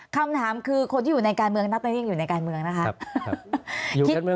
คำถามคือคนที่อยู่ในการเมืองนับตอนนี้ยังอยู่ในการเมืองนะครับ